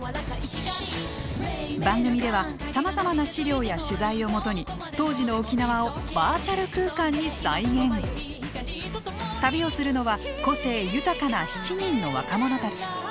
番組ではさまざまな資料や取材を基に当時の沖縄を旅をするのは個性豊かな７人の若者たち。